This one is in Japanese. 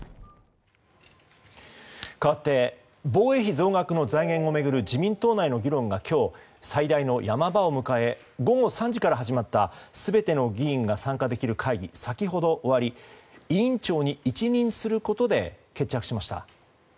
かわって防衛費増額の財源を巡る自民党内の議論が今日最大の山場を迎え午後３時から始まった全ての議員が参加できる会議が先ほど終わり、委員長に一任することで決着しました。